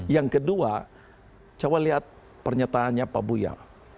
yang kedua coba lihat pernyataannya pak buya